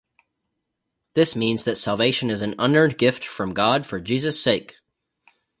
This means that salvation is an unearned gift from God for Jesus' sake.